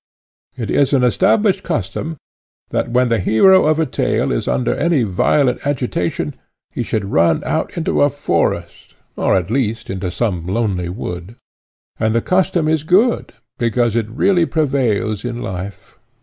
It is an established custom, that when the hero of a tale is under any violent agitation, he should run out into a forest, or, at least, into some lonely wood; and the custom is good, because it really prevails in life.